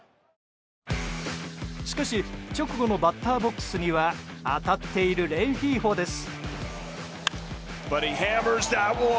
しかし直後のバッターボックスには当たっているレンヒーフォです。